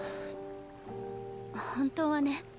本当はね